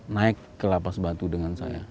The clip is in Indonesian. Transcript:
naik ke lapas batu dengan saya